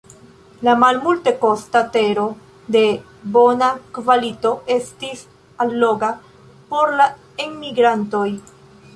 La malmultekosta tero de bona kvalito estis alloga por la enmigrantoj.